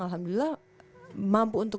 alhamdulillah mampu untuk